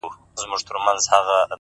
شپه كي هم خوب نه راځي جانه زما ـ